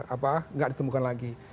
apa tidak ditemukan lagi